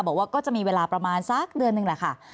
บอกว่าก็จะมีเวลาประมาณสักเดือนหนึ่งแหละค่ะ